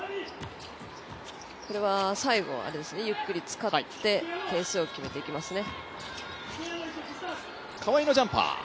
最後、ゆっくり使って点数を決めていきますね。